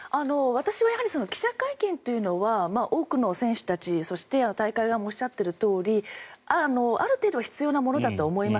私は記者会見というのは多くの選手たちやそして大会側もおっしゃっているとおりある程度、必要なものだとは思います。